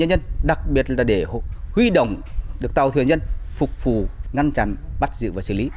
chúng tôi đề cao biện pháp phối hợp với chính quyền đặc biệt là để huy động được tàu thuyền nhân phục vụ ngăn chặn bắt giữ và xử lý